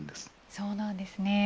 そうなんですね。